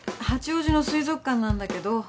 八王子の水族館なんだけど。